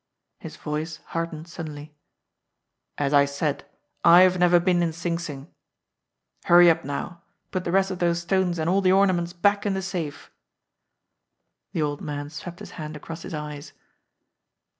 His voice hardened suddenly. "As I said, I've never been in Sing Sing. Hurry up, now! Put the rest of those stones and all the ornaments back in the safe." The old man swept his hand across his eyes.